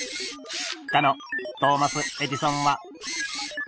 かのトーマス・エジソンは。